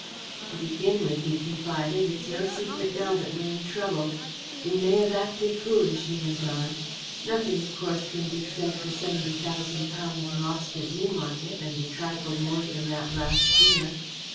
"To begin with," he confided, "it's no secret now that we're in trouble. We may have acted foolish," he went on. "Nothing, of course, can be said for seventy thousand pounds lost at Newmarket, and a trifle more than that last year.